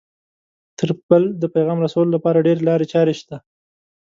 تر بل د پیغام رسولو لپاره ډېرې لارې چارې شته